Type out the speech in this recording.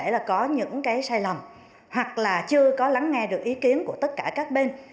là có những cái sai lầm hoặc là chưa có lắng nghe được ý kiến của tất cả các bên